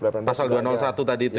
pasal dua ratus satu tadi itu ya